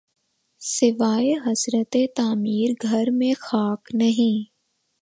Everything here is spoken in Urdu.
سواے حسرتِ تعمیر‘ گھر میں خاک نہیں